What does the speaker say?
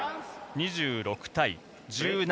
２６対１７。